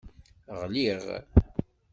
Ɣliɣ.